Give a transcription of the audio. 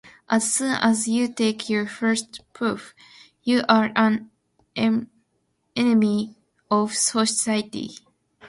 As soon as you take your first puff, you are an enemy of society.